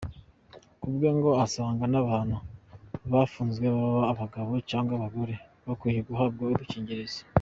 Ku bwe ngo asanga n’abantu bafunzwe baba abagabo cyangwa abagore bakwiye guhabwa udukingirizo.